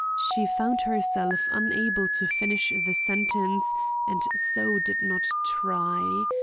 She found herself unable to finish the sentence, and so did not try.